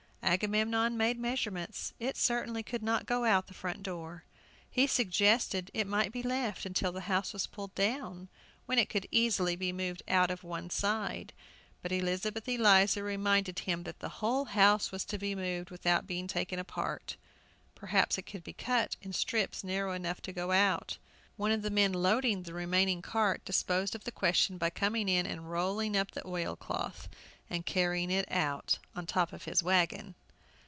Agamemnon made measurements; it certainly could not go out of the front door! He suggested it might be left till the house was pulled down, when it could easily be moved out of one side. But Elizabeth Eliza reminded him that the whole house was to be moved without being taken apart. Perhaps it could be cut in strips narrow enough to go out. One of the men loading the remaining cart disposed of the question by coming in and rolling up the oil cloth and carrying it on on top of his wagon.